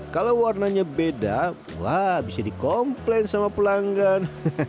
kalau warnanya beda wah bisa dikomplain sama pelanggan